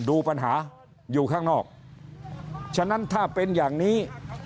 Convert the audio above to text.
ดูปัญหาอยู่ข้างนอกฉะนั้นถ้าเป็นอย่างนี้